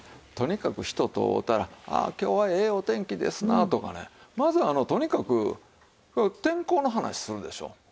とにかく人と会うたら「ああ今日はええお天気ですな」とかねまずとにかく天候の話するでしょう。